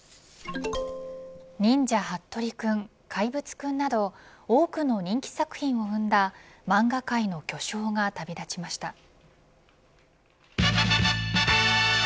忍者ハットリくん怪物くんなど多くの人気作品を生んだ漫画界の巨匠が旅立ちました。